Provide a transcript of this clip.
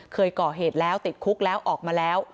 เคยก่อเหตุแล้วติดคุกแล้วออกมาแล้ว